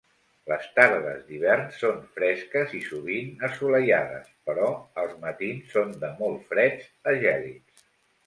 Les tardes d'hivern són fresques i sovint asolellades, però els matins són de molt freds a gèlids.